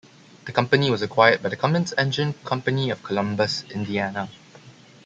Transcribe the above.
The company was acquired by the Cummins Engine Company of Columbus, Indiana.